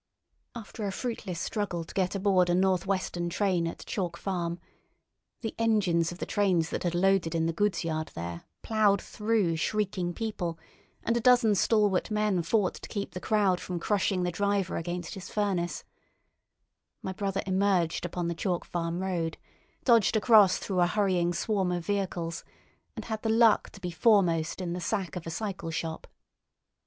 After a fruitless struggle to get aboard a North Western train at Chalk Farm—the engines of the trains that had loaded in the goods yard there ploughed through shrieking people, and a dozen stalwart men fought to keep the crowd from crushing the driver against his furnace—my brother emerged upon the Chalk Farm road, dodged across through a hurrying swarm of vehicles, and had the luck to be foremost in the sack of a cycle shop.